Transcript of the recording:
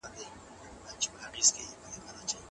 نړيوالي مرستي د بشري ناورینونو او پیښو په وخت کي ډیرې مهمي دي.